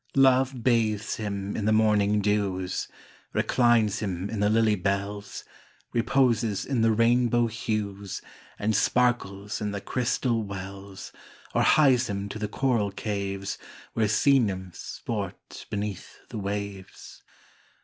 Love bathes him in the morning dews, Reclines him in the lily bells, Reposes in the rainbow hues, And sparkles in the crystal wells, Or hies him to the coral caves, Where sea nymphs sport beneath the waves.